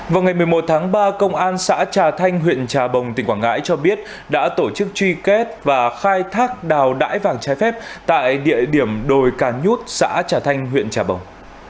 vào ngày một mươi một tháng ba công an xã trà thanh huyện trà bồng tỉnh quảng ngãi cho biết đã tổ chức truy kết và khai thác đào đải vàng trái phép tại địa điểm đồi cà nhút xã trà thanh huyện trà bồng